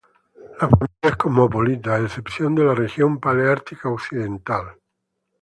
La familia es cosmopolita, a excepción de la Región Paleártica occidental.